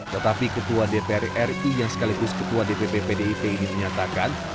tetapi ketua dpr ri yang sekaligus ketua dpp pdip ini menyatakan